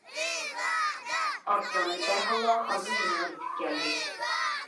ئارسلان دەرھاللا خاننىڭ يېنىغا يېتىپ كەلدى.